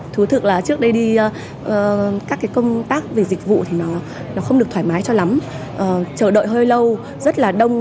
thú thực là trước đây đi các cái công tác về dịch vụ thì nó không được thoải mái cho lắm chờ đợi hơi lâu rất là đông